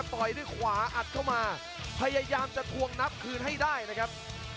ต่อยด้วยขวาอัดเข้ามาพยายามจะทวงนับคืนให้ได้นะครับ